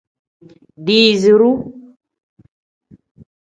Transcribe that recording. Diiziru.